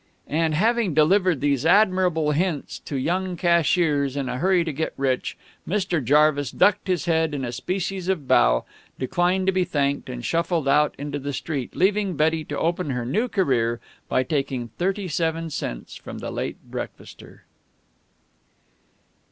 And, having delivered these admirable hints to young cashiers in a hurry to get rich, Mr. Jarvis ducked his head in a species of bow, declined to be thanked, and shuffled out into the street, leaving Betty to open her new career by taking thirty seven cents from the late breakfaster.